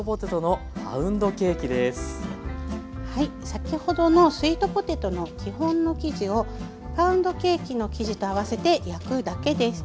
先ほどのスイートポテトの基本の生地をパウンドケーキの生地と合わせて焼くだけです。